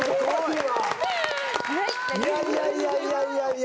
いやいやいやいやいやいや。